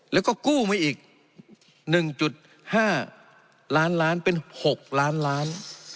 แล้วก็กู้ไว้อีกหนึ่งจุดห้าล้านล้านเป็นหกล้านล้าน